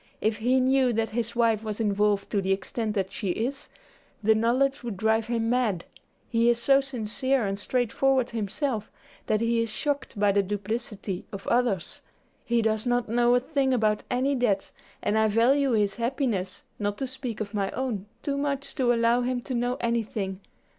If he knew that his wife was involved to the extent that she is, the knowledge would drive him mad. He is so sincere and straightforward himself, that he is shocked by the duplicity of others. He does not know a thing about any debts and I value his happiness, not to speak of my own, too much to allow him to know anything.